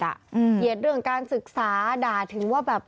เกลียดเรื่องการศึกษาด่าถึงว่าแบบ